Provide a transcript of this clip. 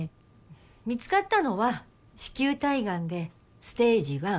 見つかったのは子宮体がんでステージⅠ。